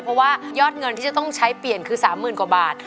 เพราะว่ายอดเงินที่จะต้องใช้เปลี่ยนคือ๓๐๐๐กว่าบาท